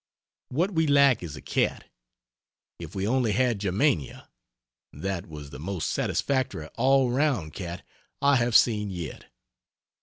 What we lack is a cat. If we only had Germania! That was the most satisfactory all round cat I have seen yet.